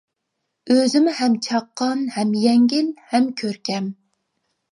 ئۆزىمۇ ھەم چاققان، ھەم يەڭگىل، ھەم كۆركەم.